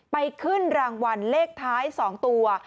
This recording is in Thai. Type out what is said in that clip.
ไปขึ้นรางวัลเลขท้าย๒ตัว